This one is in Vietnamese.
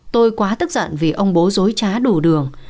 tôi quá tức giận vì ông bố dối trá đủ đường